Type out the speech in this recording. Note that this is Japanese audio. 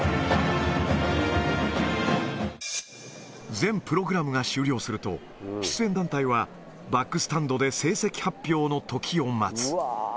全プログラムが終了すると、出演団体は、バックスタンドで成績発表の時を待つ。